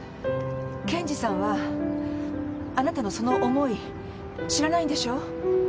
健児さんはあなたのその思い知らないんでしょう？